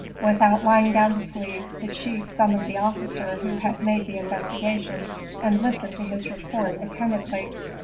Without lying down to sleep, the chief summoned the officer who had made the investigation, and listened to his report attentively.